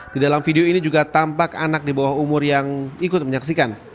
di dalam video ini juga tampak anak di bawah umur yang ikut menyaksikan